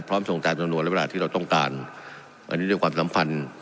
พร้อมส่งจากจังหลวงระเวลาที่เราต้องการอันนี้ด้วยความสำคัญ